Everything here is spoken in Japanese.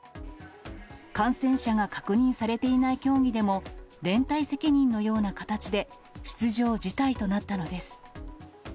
感染者が確認されていない競技でも、連帯責任のような形で、出場辞退となったのです。